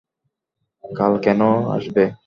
কাল কেন আসবে?